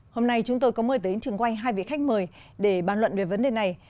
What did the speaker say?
hôm nay chúng tôi có mời tới trường quay hai vị khách mời để bàn luận về vấn đề này